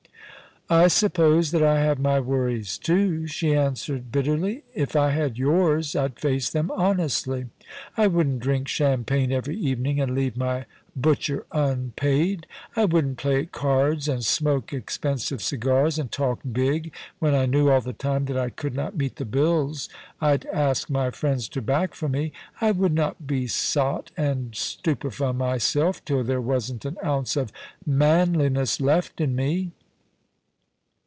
* I suppose that I have my worries too,' she answered bitterly. * If I had yours, I'd face them honestly. I wouldn't drink champagne every evening and leave my butcher unpaid ; I wouldn't play at cards, and smoke expen sive cigars, and talk big, when I knew all the time that I could not meet the bills I'd asked my friends to back for me ; I would not besot and stupefy myself till there wasn't an ounce of manliness lefl in me.'